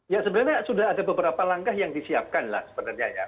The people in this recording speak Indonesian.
ya sebenarnya sudah ada beberapa langkah yang disiapkan lah sebenarnya ya